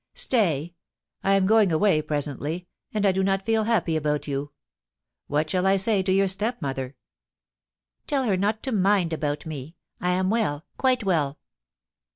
* Stay ! I am going away presently, and I do not feel happy about you. What shall I say to your stepmother P *Tell her not to mind about me. I am well — quite well